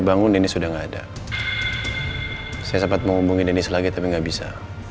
bangun ini sudah nggak ada saya sempat menghubungin ini selagi tapi nggak bisa